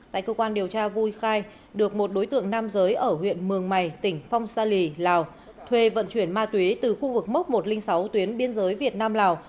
tại cơ quan điều tra vui khai được một đối tượng nam giới ở huyện mường mày tỉnh phong sa lì lào thuê vận chuyển ma túy từ khu vực mốc một trăm linh sáu tuyến biên giới việt nam lào